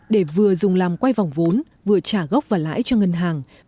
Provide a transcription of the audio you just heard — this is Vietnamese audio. để vừa dùng làm quay vòng vốn vừa trả gốc và lãi cho ngân hàng